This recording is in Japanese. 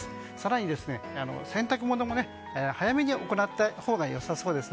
更に洗濯物も早めに行ったほうがよさそうです。